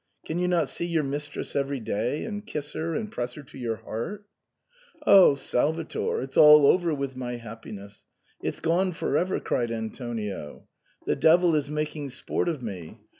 can you not see your mistress every day, and kiss her and press her to your heart ?"" Oh ! Salvator, it's all over with my happiness, it's gone for ever," cried Antonio. " The devil is making sport of me.